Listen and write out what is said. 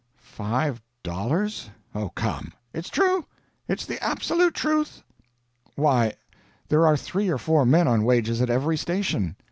"Five dollars? Oh, come!" "It's true. It's the absolute truth." "Why, there are three or four men on wages at every station."